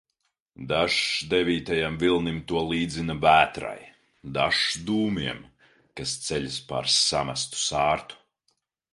Dažs devītajam vilnim to līdzina, vētrai, dažs dūmiem, kas ceļas pār samestu sārtu.